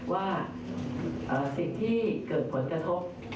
ว่าสิ่งที่เกิดผลกระทบ